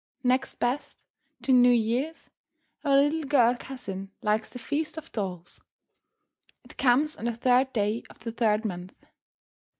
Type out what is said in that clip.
Next best to New Year's, our little girl cousin likes the Feast of Dolls. It comes on the third day of the third month.